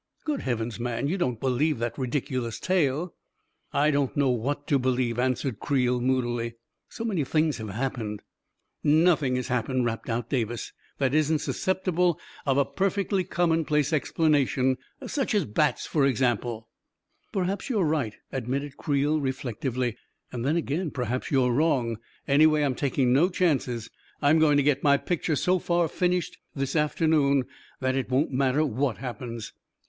44 Good heavens, man, you don't believe that ridicu lous tale !"'" I don't know what to believe," answered Creel, moodily. " So many things have happened ..•" 44 Nothing has happened," rapped out Davis, 44 that isn't susceptible of a perfectly commonplace explanation — such as bats, for example !"" Perhaps you are right," admitted Creel reflec tively; 44 and then again perhaps you are wrong. Anyway, I'm taking no chances. I am going to get my picture so far finished this afternoon, that it won't matter what happens."